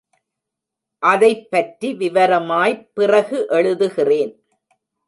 அதைப்பற்றி விவரமாய்ப் பிறகு எழுதுகிறேன்.